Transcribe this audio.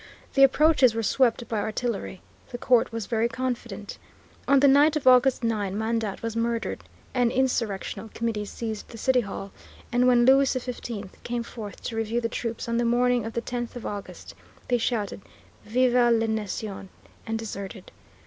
The approaches were swept by artillery. The court was very confident. On the night of August 9, Mandat was murdered, an insurrectional committee seized the City Hall, and when Louis XVI came forth to review the troops on the morning of the 10th of August, they shouted, "Vive la Nation" and deserted.